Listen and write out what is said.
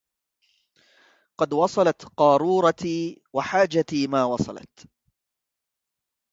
قد وصلت قارورتي وحاجتي ما وصلت